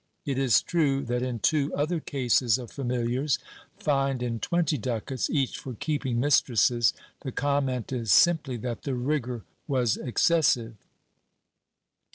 It is true that in two other cases of familiars, fined in twenty ducats each for keeping mistresses, the comment is simply that the rigor was excessive.